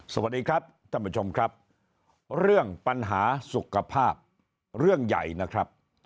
สวัสดีครับท่านผู้ชมครับเรื่องปัญหาสุขภาพเรื่องใหญ่นะครับ